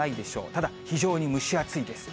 ただ非常に蒸し暑いです。